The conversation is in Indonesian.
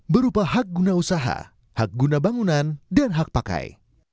berupa hak guna usaha hak guna bangunan dan hak pakai